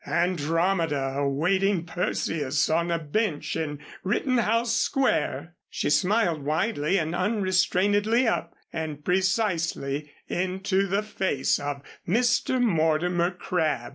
Andromeda awaiting Perseus on a bench in Rittenhouse Square! She smiled widely and unrestrainedly up and precisely into the face of Mr. Mortimer Crabb.